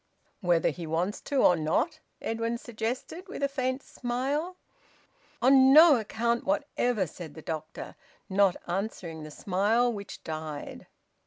"Whether he wants to or not?" Edwin suggested, with a faint smile. "On no account whatever!" said the doctor, not answering the smile, which died.